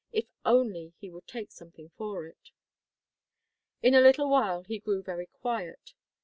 If only he would take something for it! In a little while he grew very quiet.